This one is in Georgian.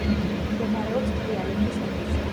მდებარეობს თრიალეთის ქედზე.